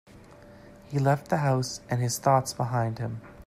He left the house and his thoughts behind him.